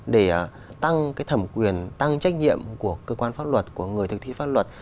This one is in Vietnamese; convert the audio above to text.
để tăng thẩm quyền tăng trách nhiệm của cơ quan pháp luật của người thực thi pháp luật